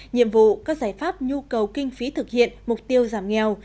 nhiệm vụ các giải pháp nhu cầu kinh phí thực hiện mục tiêu giảm nghèo